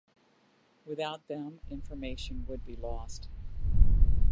Without them, information would be lost.